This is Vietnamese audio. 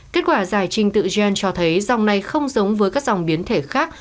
kết quả giải trình tự gen cho thấy dòng này không giống với các dòng biến thể khác